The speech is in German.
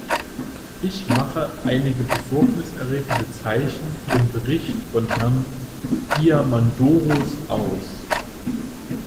Ich mache einige besorgniserregende Zeichen im Bericht von Herrn Diamandouros aus.